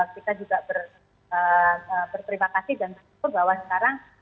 kita juga berterima kasih dan berterima kasih bahwa sekarang